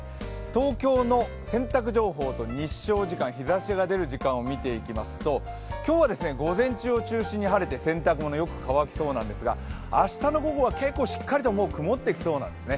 東京の洗濯情報と日照時間、日ざしが出る時間を見ていきますと今日は午前中を中心によく晴れて洗濯物はよく乾きそうなんですが明日の午後は結構しっかりと曇ってきそうなんですね。